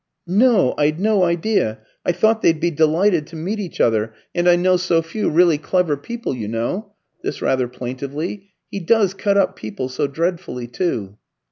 "No? I'd no idea! I thought they'd be delighted to meet each other; and I know so few really clever people, you know" (this rather plaintively). "He does cut up people so dreadfully, too."